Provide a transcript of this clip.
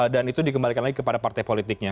dan itu dikembalikan lagi kepada partai politiknya